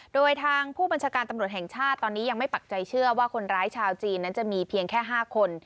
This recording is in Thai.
โดยทางผู้บัญชาการตำรวจแห่งชาติตอนนี้ยังไม่ปักใจเชื่อว่าคนร้ายชาวจีนนั้นจะมีเพียงแค่๕คน